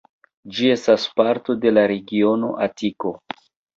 Ĝi estas parto de la regiono Atiko.